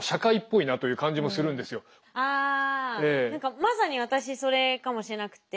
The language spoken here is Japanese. あ何かまさに私それかもしれなくて。